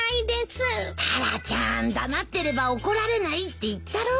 タラちゃん黙ってれば怒られないって言ったろ？